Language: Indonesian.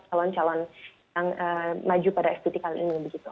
calon calon yang maju pada spt kali ini